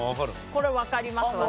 これわかります私。